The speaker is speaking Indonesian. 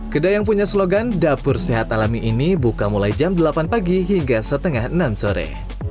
kedai yang punya slogan dapur sehat alami ini buka mulai jam delapan pagi hingga setengah enam sore